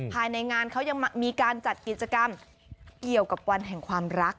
ภายในงานเขายังมีการจัดกิจกรรมเกี่ยวกับวันแห่งความรัก